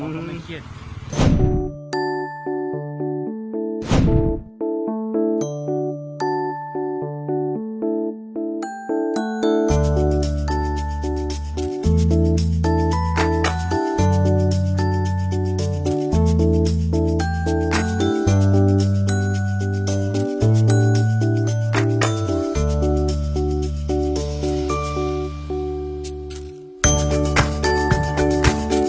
สวัสดีครับ